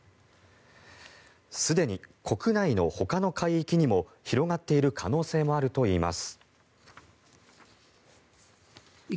すでに国内のほかの海域にも広がっている可能性もあるといいます。